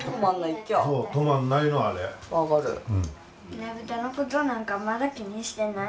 ねぶたのことなんかまだ気にしてない。